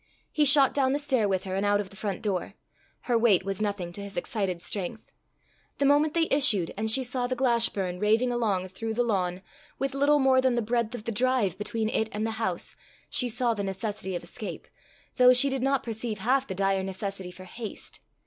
He shot down the stair with her, and out of the front door. Her weight was nothing to his excited strength. The moment they issued, and she saw the Glashburn raving along through the lawn, with little more than the breadth of the drive between it and the house, she saw the necessity of escape, though she did not perceive half the dire necessity for haste.